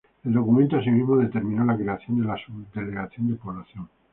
El documento asimismo determinó la creación de la subdelegación de Población.